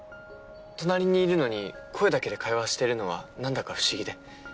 隣にいるのに声だけで会話してるのは何だか不思議で。